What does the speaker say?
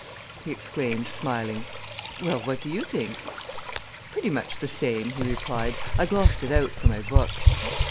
he exclaimed, smiling. "Well, what do you think?" "Pretty much the same," he replied. "I glossed it out for my book."